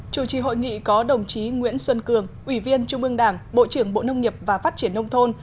chủ trì hội nghị có đồng chí nguyễn xuân cường ủy viên trung ương đảng bộ trưởng bộ nông nghiệp và phát triển nông thôn